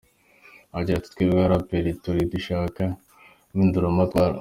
Agira ati“Twebwe aba Raperi turi dushaka impinduramatwara.